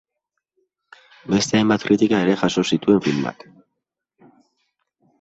Beste hainbat kritika ere jaso zituen filmak.